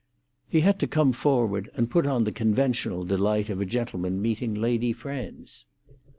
He had to come forward, and put on the conventional delight of a gentleman meeting lady friends.